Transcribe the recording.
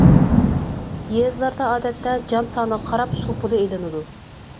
يېزىلاردا ئادەتتە جان سانىغا قاراپ سۇ پۇلى ئىلىنىدۇ.